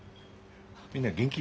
みんな元気？